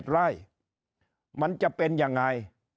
๗ไร่มันจะเป็นยังไง